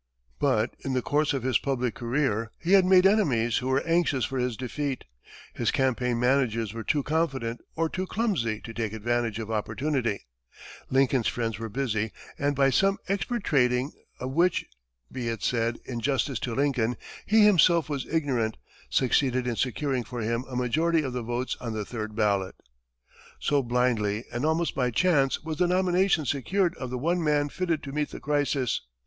But in the course of his public career he had made enemies who were anxious for his defeat, his campaign managers were too confident or too clumsy to take advantage of opportunity; Lincoln's friends were busy, and by some expert trading, of which, be it said in justice to Lincoln, he himself was ignorant, succeeded in securing for him a majority of the votes on the third ballot. So, blindly and almost by chance, was the nomination secured of the one man fitted to meet the crisis.